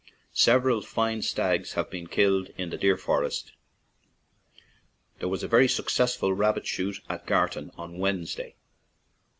Several fine stags have been killed in the deer forest. There was a very successful rabbit shoot at Gartan on Wednesday.